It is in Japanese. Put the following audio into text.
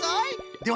では